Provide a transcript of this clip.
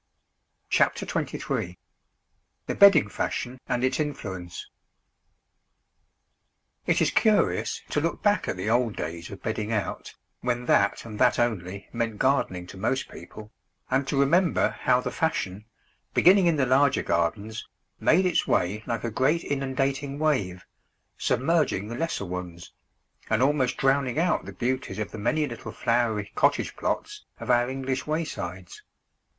CHAPTER XXIII THE BEDDING FASHION AND ITS INFLUENCE It is curious to look back at the old days of bedding out, when that and that only meant gardening to most people, and to remember how the fashion, beginning in the larger gardens, made its way like a great inundating wave, submerging the lesser ones, and almost drowning out the beauties of the many little flowery cottage plots of our English waysides.